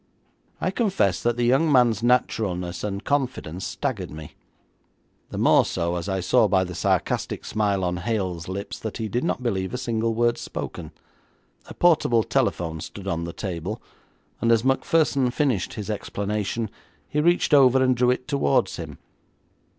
I confess that the young man's naturalness and confidence staggered me, the more so as I saw by the sarcastic smile on Hale's lips that he did not believe a single word spoken. A portable telephone stood on the table, and as Macpherson finished his explanation, he reached over and drew it towards him.